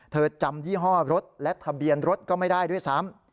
จำยี่ห้อรถและทะเบียนรถก็ไม่ได้ด้วยซ้ำ